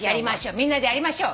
みんなでやりましょう。